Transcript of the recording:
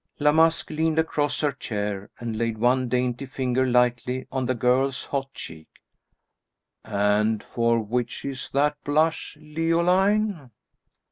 La Masque leaned across her chair, and laid one dainty finger lightly on the girl's hot cheek. "And for which is that blush, Leoline?"